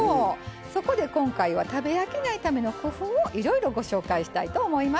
そこで今回は食べ飽きないための工夫をいろいろご紹介したいと思います。